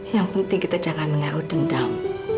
yang penting kita jangan menaruh dendam